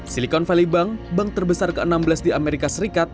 silicon valley bank bank terbesar ke enam belas di amerika serikat